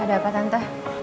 ada apa tante